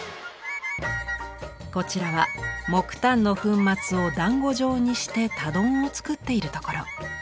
こちらは木炭の粉末をだんご状にして炭団を作っているところ。